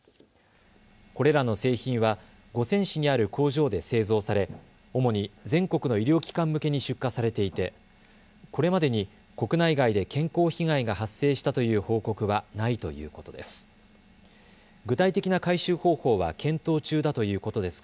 これらの製品は五泉市にある工場で製造され、主に全国の医療機関向けに出荷されていてこれまでに国内外で健康被害が発生したという報告はないということです。